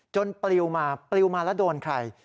ปลิวมาปลิวมาแล้วโดนใคร